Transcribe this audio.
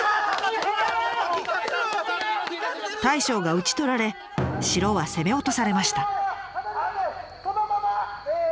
大将が討ち取られ城は攻め落とされました。